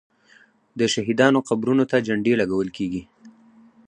د شهیدانو قبرونو ته جنډې لګول کیږي.